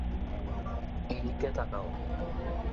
এই দিকে তাকাও।